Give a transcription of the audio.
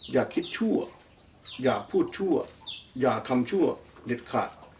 อย่าพูดชั่วอย่าทำชั่วเด็ดขาด